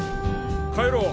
帰ろう！